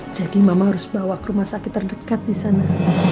jadi mama harus bawa ke rumah sakit terdekat di sana